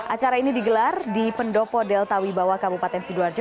acara ini digelar di pendopo delta wibawa kabupaten sidoarjo